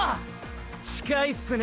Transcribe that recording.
近いっすね